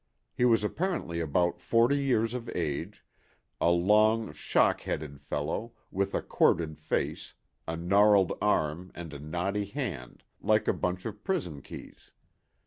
He was apparently about forty years of age, a long, shock headed fellow, with a corded face, a gnarled arm and a knotty hand like a bunch of prison keys.